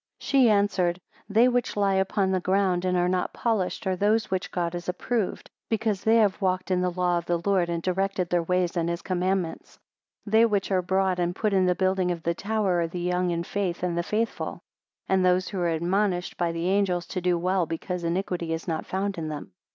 56 She answered, They which lie upon the ground and are not polished, are those which God has approved, because they have walked in I the law of the Lord, and directed their ways in his commandments. 57 They which are brought and put in the building of the tower, are the young in faith and the faithful. And these are admonished by the angels to do well because iniquity is not found in them.